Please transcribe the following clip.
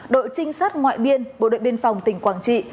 đội trinh sát ngoại biên bộ đội biên phòng tỉnh quảng trị